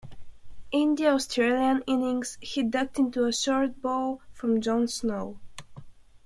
In the Australian innings he ducked into a short ball from John Snow.